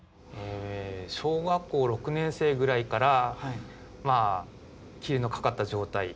小学校６年生ぐらいからまあ霧のかかった状態でして。